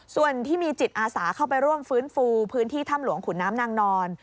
ส่วนที่มีจิตอาสาเข้าไปร่วมฟื้นฟูพื้นที่ถ้ำหลวงขุนน้ำนางนอน